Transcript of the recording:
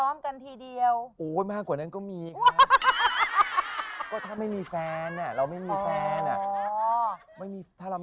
ไม่ต้องสาบราง